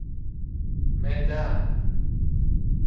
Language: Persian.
معدم